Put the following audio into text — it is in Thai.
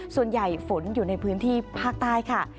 ส่วนใหญ่ฝนอยู่ในพื้นที่ภาคใต้ค่ะ